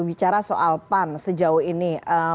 bicara soal pan sejauh ini